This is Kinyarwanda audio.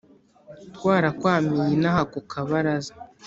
twarakwamiye inaha ku kabaraza